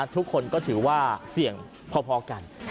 ทุกคนก็ถือว่าเสี่ยงพอกัน